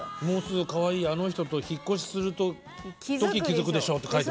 「もうすぐかわいいあの女と引越しするとき気づくでしょう」って。